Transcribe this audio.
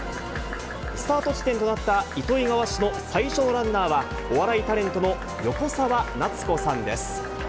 スタート地点となった糸魚川市の最初のランナーは、お笑いタレントの横澤夏子さんです。